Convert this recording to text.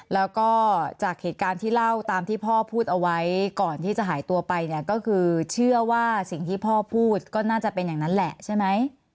แล้วก็จากเหตุการณ์ที่เล่าตามที่พ่อพูดเอาไว้ก่อนที่จะหายตัวไปเนี่ยก็คือเชื่อว่าสิ่งที่พ่อพูดก็น่าจะเป็นอย่างนั้นแหละใช่ไหม